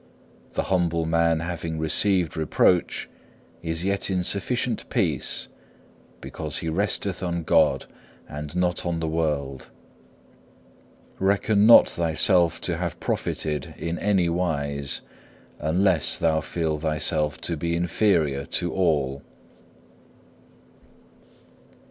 The humble man having received reproach, is yet in sufficient peace, because he resteth on God and not on the world. Reckon not thyself to have profited in anywise unless thou feel thyself to be inferior to all.